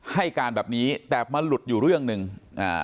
ให้การแบบนี้แต่มันหลุดอยู่เรื่องหนึ่งอ่า